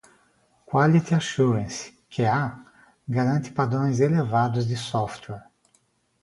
Quality Assurance (QA) garante padrões elevados de software.